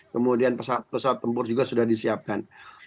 kemudian pesawat pesawat tempur juga sudah disiapkan